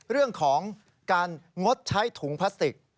เรื่องของการงดใช้ถุงพลาสติก